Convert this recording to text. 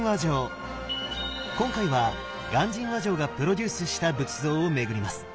今回は鑑真和上がプロデュースした仏像を巡ります。